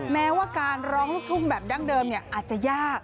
แม้ว่าการร้องลูกทุ่งแบบดั้งเดิมอาจจะยาก